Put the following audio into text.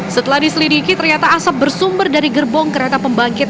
setelah diselidiki ternyata asap bersumber dari gerbong kereta pembangkit